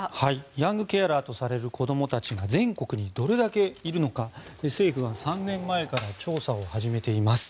ヤングケアラーとされる子どもたちが全国にどれだけいるのか政府は３年前から調査を始めています。